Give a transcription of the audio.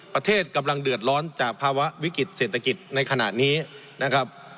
ประเทศกำลังเดือดร้อนจากภาวะวิกฤตเศรษฐกิจในขณะนี้นะครับ